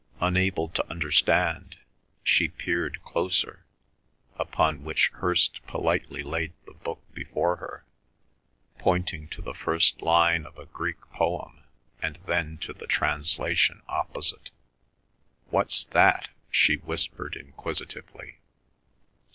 Unable to understand, she peered closer, upon which Hirst politely laid the book before her, pointing to the first line of a Greek poem and then to the translation opposite. "What's that?" she whispered inquisitively.